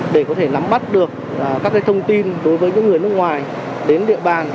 để có thể nắm bắt được các thông tin đối với những người nước ngoài đến địa bàn